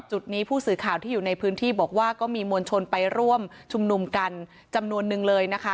จุดนี้ผู้สื่อข่าวที่อยู่ในพื้นที่บอกว่าก็มีมวลชนไปร่วมชุมนุมกันจำนวนนึงเลยนะคะ